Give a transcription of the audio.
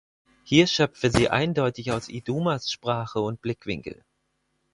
Hier schöpfe sie eindeutig aus Idumas Sprache und Blickwinkel.